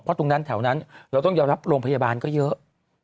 เพราะตรงนั้นแถวนั้นเราต้องยอมรับโรงพยาบาลก็เยอะ